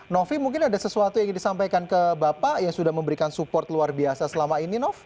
novi mungkin ada sesuatu yang ingin disampaikan ke bapak yang sudah memberikan support luar biasa selama ini nov